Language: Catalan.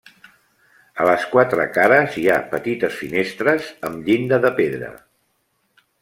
A les quatre cares hi ha petites finestres amb llinda de pedra.